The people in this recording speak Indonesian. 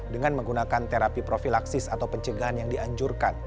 dengan menggunakan terapi profilaksis atau pencegahan yang dianjurkan